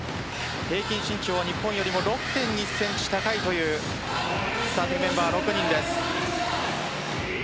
平均身長は日本よりも６．２ｃｍ高いというスターティングメンバー６人です。